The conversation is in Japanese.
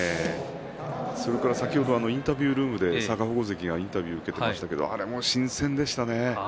それから先ほどインタビュールームで逆鉾関がインタビューを受けていましたけれども、あれも新鮮でしたね。